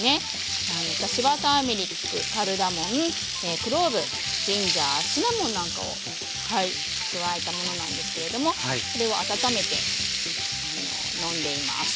私はターメリックカルダモンクローブジンジャーシナモンなんかをはい加えたものなんですけれどもそれを温めて飲んでいます。